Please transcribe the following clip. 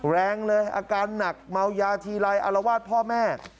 แรงเลยอาการหนักเมายาทีไรอารวาสพ่อแม่